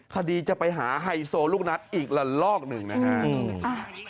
คดีจะไปหาไฮโซลูกนัดอีกละลอกหนึ่งนะครับ